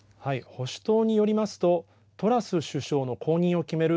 保守党によりますとトラス首相の後任を決める